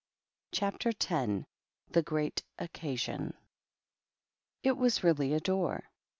CHAPTER X. THE GREAT OCCASIOIT. It was really a door.